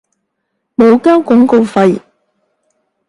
冇交廣告費